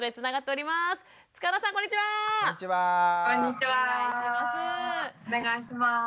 お願いします。